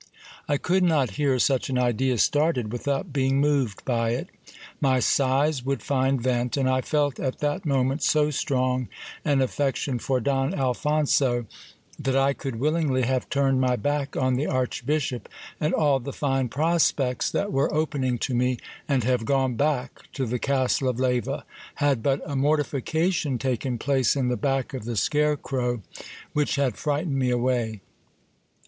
I could not hear such an idea started without being moved by it. My sighs would find vent ; and I felt at that mo ment so strong an affection for Don Alphonso, that I could willingly have turned my back on the archbishop and all the fine prospects that were opening to me, and have gone back to the castle of Leyva, had but a mortification taken place in the back of the scarecrow which had frightened me away.